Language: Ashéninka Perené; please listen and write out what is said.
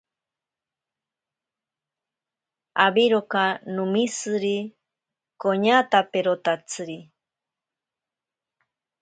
Awiroka nomishiri koñatakoperotatsiri.